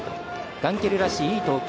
ガンケルらしい、いい投球。